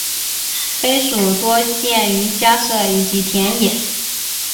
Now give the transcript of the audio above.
黑鼠多见于家舍以及田野。